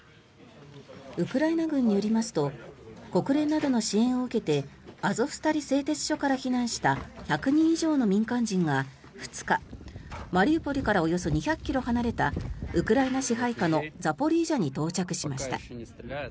ウクライナ軍によりますと国連などの支援を受けてアゾフスタリ製鉄所から避難した１００人以上の民間人が２日マリウポリからおよそ２００ｋｍ離れたウクライナ支配下のザポリージャに到着しました。